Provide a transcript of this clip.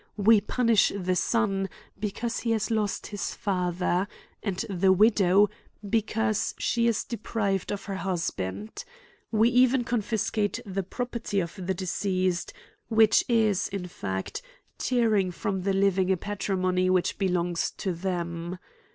We punish the son, because he has lost his father ; and the wi dow, because she is deprived of her husband. We even confiscate the property of the deceased ; which is, in fact, tearing from the living a patri mony which belongs to them.